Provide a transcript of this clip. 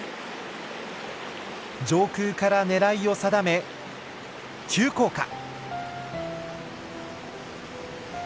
上空から狙いを定め急降下！